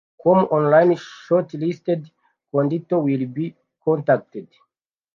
com only shortlisted candidates will be contacted